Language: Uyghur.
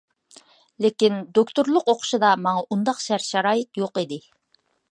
لېكىن، دوكتورلۇق ئوقۇشىدا ماڭا ئۇنداق شەرت-شارائىت يوق ئىدى.